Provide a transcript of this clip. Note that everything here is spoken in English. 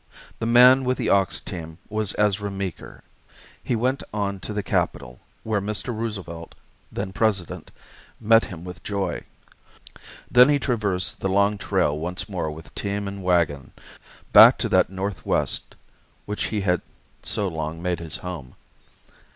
The man with the ox team was Ezra Meeker. He went on to the capital, where Mr. Roosevelt, then President, met him with joy. Then he traversed the long trail once more with team and wagon back to that Northwest which he had so long made his home.